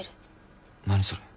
何それ。